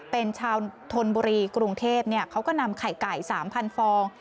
เป็นชาวธนบุรีกรุงเทพเขาก็นำไข่ไก่๓๐๐ฟอง